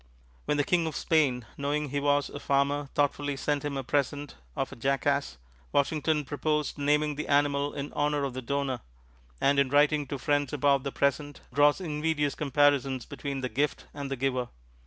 When the King of Spain, knowing he was a farmer, thoughtfully sent him a present of a jackass, Washington proposed naming the animal in honor of the donor; and in writing to friends about the present, draws invidious comparisons between the gift and the giver.